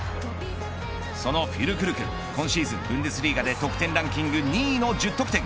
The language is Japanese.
そのフュルクルク今シーズン、ブンデスリーガで得点ランキング２位の１０得点。